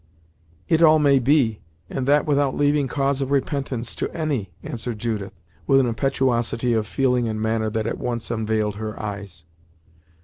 "It all may be, and that without leaving cause of repentance to any," answered Judith, with an impetuosity of feeling and manner that at once unveiled her eyes.